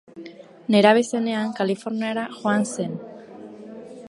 Nerabe zenean Kaliforniara joan zen.